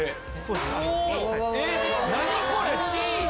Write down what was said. えっ何これ⁉チーズ？